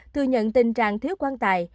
thừa nhận tình trạng thiếu quan tài